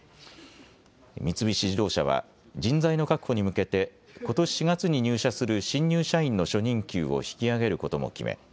三菱自動車は人材の確保に向けてことし４月に入社する新入社員の初任給を引き上げることも決め